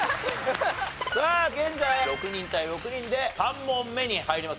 さあ現在６人対６人で３問目に入ります。